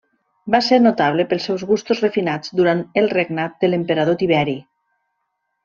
Va ser notable pels seus gustos refinats durant el regnat de l'emperador Tiberi.